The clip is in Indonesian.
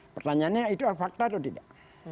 pertanyaannya itu fakta atau tidak